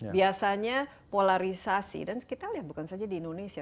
biasanya polarisasi dan kita lihat bukan saja di indonesia